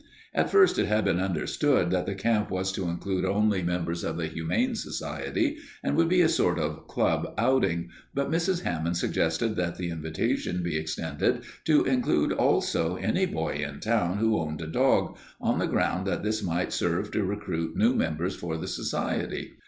At first it had been understood that the camp was to include only members of the Humane Society, and would be a sort of club outing, but Mrs. Hammond suggested that the invitation be extended to include also any boy in town who owned a dog, on the ground that this might serve to recruit new members for the society.